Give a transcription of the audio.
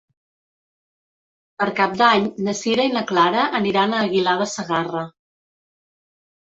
Per Cap d'Any na Sira i na Clara aniran a Aguilar de Segarra.